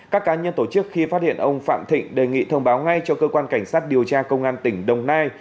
các cá nhân tổ chức khi phát hiện ông phạm thịnh đề nghị thông báo ngay cho cơ quan cảnh sát điều tra công an tỉnh đồng nai